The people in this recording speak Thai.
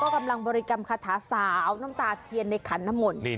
กำลังบริกรรมคาถาสาวน้ำตาเทียนในขันน้ำมนต์